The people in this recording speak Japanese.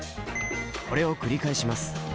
これを繰り返します。